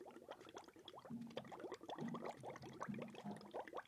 Por su derecho de matrimonio asumió el cargo del gobierno del vizcondado.